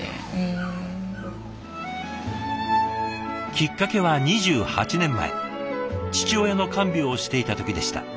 きっかけは２８年前父親の看病をしていた時でした。